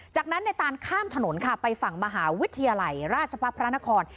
จากนั้นในตานข้ามถนนค่ะไปฝั่งมหาวิทยาลัยราชพัฒนพระนคร